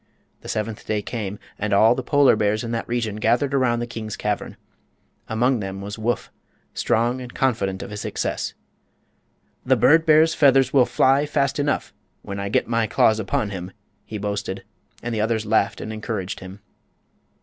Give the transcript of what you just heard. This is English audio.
The seventh day came, and all the Polar bears in that region gathered around the king's cavern. Among them was Woof, strong and confident of his success. "The bird bear's feathers will fly fast enough when I get my claws upon him!" he boasted; and the others laughed and encouraged him.